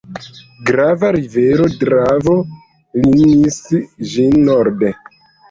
Grava rivero Dravo limis ĝin norde.